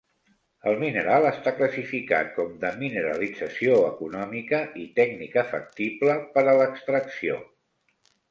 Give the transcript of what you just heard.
El mineral està classificat com de mineralització econòmica i tècnica factible per a l'extracció.